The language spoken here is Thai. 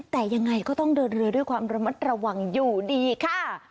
แต่ยังไงก็ต้องเดินเรือด้วยความระมัดระวังอยู่ดีค่ะ